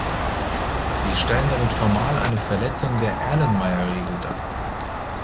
Sie stellen damit formal eine Verletzung der Erlenmeyer-Regel dar.